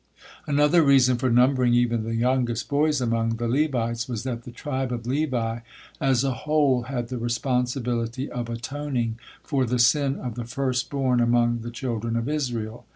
Another reason for numbering even the youngest boys among the Levites was that the tribe of Levi as a whole had the responsibility of atoning for the sin of the first born among the children of Israel.